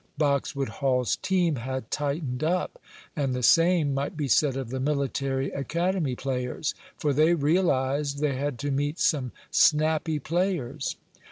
Boxwood Hall's team had "tightened up," and the same might be said of the military academy players, for they realized they had to meet some snappy players.